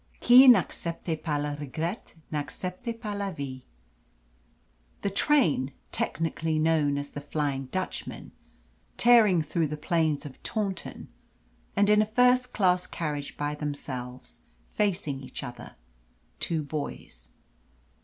Qui n'accepte pas le regret n'accepte pas la vie. The train technically known as the "Flying Dutchman," tearing through the plains of Taunton, and in a first class carriage by themselves, facing each other, two boys.